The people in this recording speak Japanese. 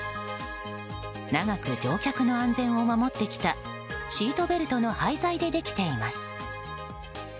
長く乗客の安全を守ってきたシートベルトの廃材でできています。